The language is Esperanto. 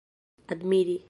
admiri